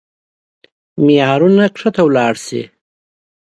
معيارونه کښته ولاړ شي.